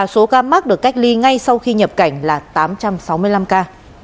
số ca mắc được cách ly ngay sau khi nhập cảnh là tám trăm sáu mươi năm ca